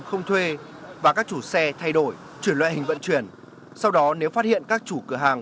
không thuê và các chủ xe thay đổi chuyển loại hình vận chuyển sau đó nếu phát hiện các chủ cửa hàng